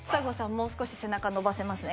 もう少し背中伸ばせますね。